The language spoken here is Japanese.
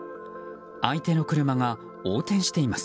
相手の車が横転しています。